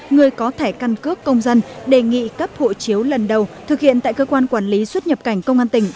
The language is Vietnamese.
người có thẻ căn cước công dân đề nghị cấp hộ chiếu lần đầu thực hiện tại cơ quan quản lý xuất nhập cảnh công an tỉnh